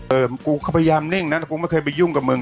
เออกูก็พยายามนี่อย่างนั้นนะกูไม่เคยไปยุ่งกับมึง